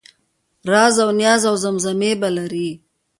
رازاونیازاوزمزمې به لرې